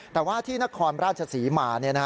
แต่ว่าที่นครราชศรีมา